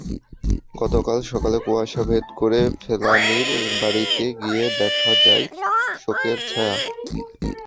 গতকাল সকালে কুয়াশা ভেদ করে ফেলানীর বাড়িতে গিয়ে দেখা যায়, শোকের ছায়া।